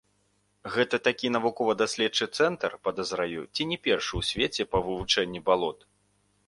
Гэта такі навукова-даследчы цэнтр, падазраю, ці не першы ў свеце, па вывучэнні балот.